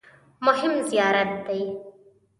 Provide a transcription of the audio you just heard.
مهم زیارت دی.